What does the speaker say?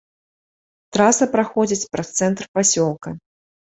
Траса праходзіць праз цэнтр пасёлка.